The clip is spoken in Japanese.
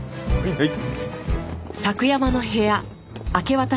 はい。